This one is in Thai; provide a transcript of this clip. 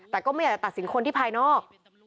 แต่ก็ไม่อยากจะตัดสินคนที่ภายนอก